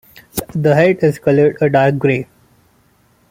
The head is coloured a dark grey.